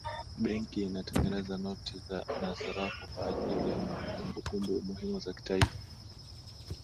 benki inatengeza noti na sarafu kwa ajiri ya kumbukumbu muhimu za kitaifa